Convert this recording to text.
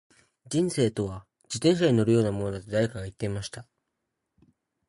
•人生とは、自転車に乗るようなものだと誰かが言っていました。